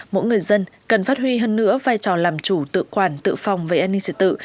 mỗi người dân cần phát huy hơn nữa vai trò làm chủ tự quản tự phòng về an ninh trật tự